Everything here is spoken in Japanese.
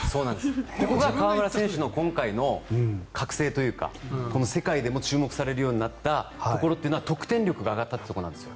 そこが河村選手の今回の覚醒というか世界でも注目されるようになったところというのは得点力が上がったというところなんです。